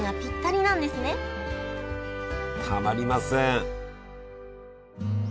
たまりません。